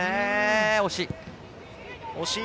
惜しい。